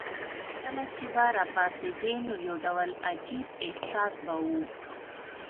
کله چې به راپاڅېدې نو یو ډول عجیب احساس به وو.